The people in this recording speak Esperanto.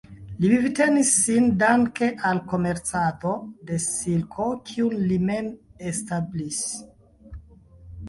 Li vivtenis sin danke al komercado de silko kiun li mem establis.